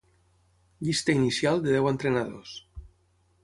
Llista inicial de deu entrenadors.